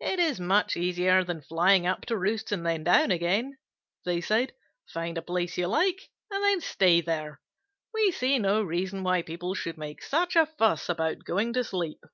"It is much easier than flying up to roosts and then down again," they said. "Find a place you like, and then stay there. We see no reason why people should make such a fuss about going to sleep."